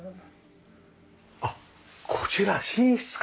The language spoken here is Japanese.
あっこちら寝室か。